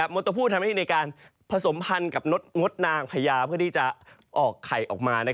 มดตะผู้ทำหน้าที่ในการผสมพันธ์กับมดนางพญาเพื่อที่จะออกไข่ออกมา